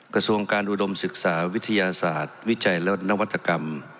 กระทรวงการอุดมศึกษาวิทยาศาสตร์วิจัยและนวัตกรรม